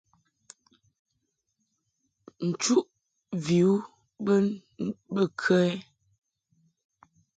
Nchuʼ vi u bə kə ɛ ?